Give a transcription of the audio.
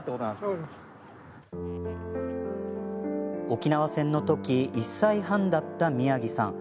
沖縄戦のとき、１歳半だった宮城さん。